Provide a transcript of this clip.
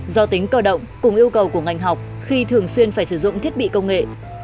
do tính cơ động cùng yêu cầu của ngành học khi thường xuyên phải sử dụng thiết bị công nghệ